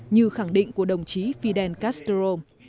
như khẳng định của đồng chí fidel castro